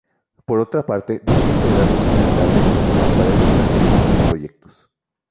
Por otra parte, busca integrar lo sustentable como las paredes verdes en sus proyectos.